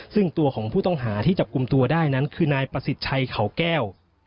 ซึ่งตัวของผู้ต้องหาที่จับกลุ่มตัวได้นั้นคือนายประสิทธิ์ชัยเขาแก้ว